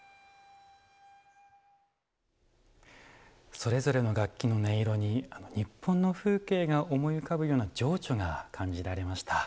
それぞれの楽器の音色に日本の風景が思い浮かぶような情緒が感じられました。